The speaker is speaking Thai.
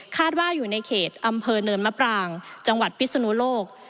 ว่าอยู่ในเขตอำเภอเนินมะปรางจังหวัดพิศนุโลก